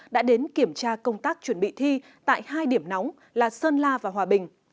đã đến kiểm tra công tác chuẩn bị thi tại hai điểm nóng là sơn la và hòa bình